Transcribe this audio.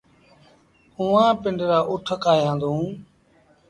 اُئآݩ پنڊرآ اُٺ ڪآهيآندون۔